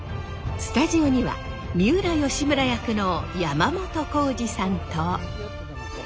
スタジオには三浦義村役の山本耕史さんと。